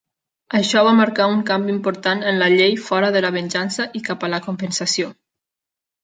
Això va marcar un canvi important en la Llei fora de la venjança i cap a la compensació.